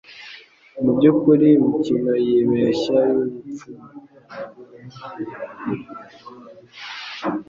mubyukuri imikino yibeshya yubupfumu